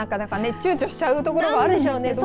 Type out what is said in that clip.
ちゅうちょしちゃうところもあるんですけど。